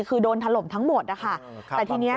คือโดนถล่มทั้งหมดนะคะแต่ทีนี้